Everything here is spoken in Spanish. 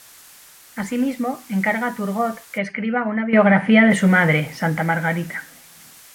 Asimismo, encarga a Turgot que escriba una biografía de su madre, Santa Margarita.